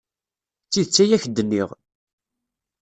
D tidet ay ak-d-nniɣ.